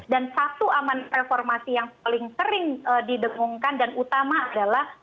dan satu amanat reformasi yang paling sering didengungkan dan utama adalah